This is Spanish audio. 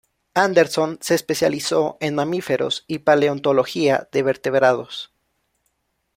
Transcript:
Anderson se especializó en mamíferos y paleontología de vertebrados.